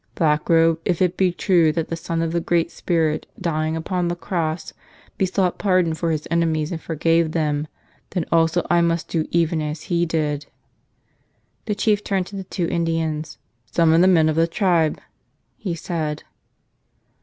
"Blackrobe, if it be truth that the Son of the Great Spirit, dying upon the cross, besought pardon for His enemies and forgave them, then also I must do even as He did." The chief turned to the two Indians. "Summon the men of the tribe," he said.